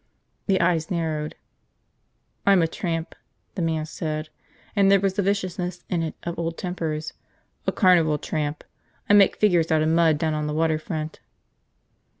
The eyes narrowed. "I'm a tramp," the man said, and there was the viciousness in it of old tempers. "A carnival tramp. I make figures out of mud down on the water front."